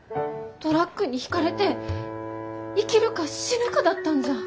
トラックにひかれて生きるか死ぬかだったんじゃ。